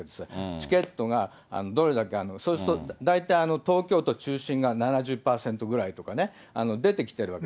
チケットがどれだけ、そうすると大体、東京都中心が７０％ぐらいとかね、出てきてるわけ。